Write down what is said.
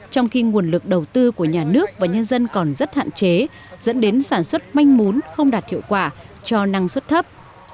trong khi nguồn lực đầu tư của nhà nước và nhân dân còn rất hạn chế dẫn đến sản xuất manh mún không đạt hiệu quả cho năng suất thấp